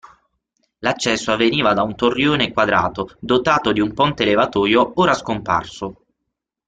L'accesso avveniva da un torrione quadrato dotato di un ponte levatoio ora scomparso.